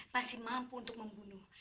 masih mampu untuk membunuh